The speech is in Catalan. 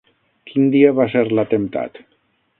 Quin dia va ser l'atemptat?